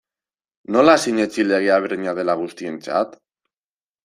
Nola sinetsi legea berdina dela guztientzat?